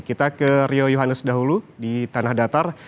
kita ke rio yohanes dahulu di tanah datar